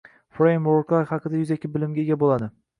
Frameworklar haqida yuzaki bilimga ega bo’ladi